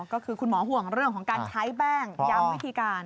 ก็คือคุณหมอห่วงเรื่องของการใช้แป้งย้ำวิธีการ